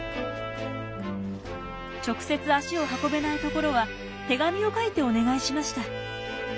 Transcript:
直接足を運べないところは手紙を書いてお願いしました。